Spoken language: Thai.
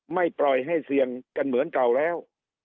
ไม่ปล่อยให้เสี่ยงกันเหมือนเก่าแล้ว